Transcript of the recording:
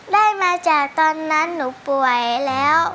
ได้มาจากตอนนั้นหนูป่วยแล้ว